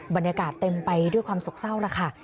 บรรยากาศเต็มไปด้วยความสกเศร้าแล้วค่ะ